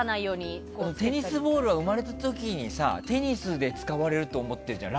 テニスボールは生まれた時にテニスで使われると思ってるじゃん。